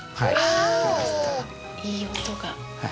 いい音が。